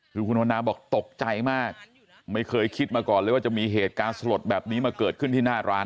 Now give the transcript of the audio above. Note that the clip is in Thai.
คือคุณวันนาบอกตกใจมากไม่เคยคิดมาก่อนเลยว่าจะมีเหตุการณ์สลดแบบนี้มาเกิดขึ้นที่หน้าร้าน